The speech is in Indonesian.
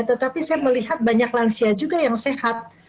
tetapi saya melihat banyak lansia juga yang sehat